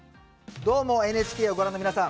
「どーも、ＮＨＫ」をご覧の皆さん